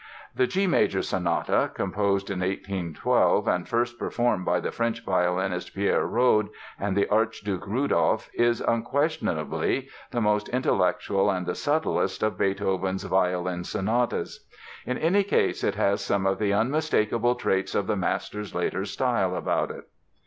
The G major Sonata, composed in 1812 and first performed by the French violinist Pierre Rode and the Archduke Rudolph, is unquestionably the most intellectual and the subtlest of Beethoven's violin sonatas. In any case it has some of the unmistakable traits of the master's later style about it.